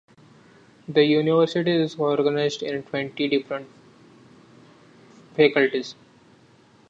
The university is organized in twenty different faculties.